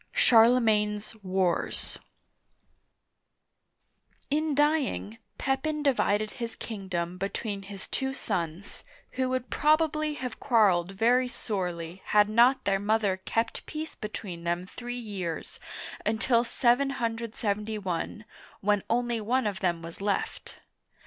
CHARLEMAGNE^S WARS IN dying, Pepin divided his kingdom between his two sons, who would probably have quarreled very sorely had not their mother kept peace between them three years, until 771, when only one of them was left.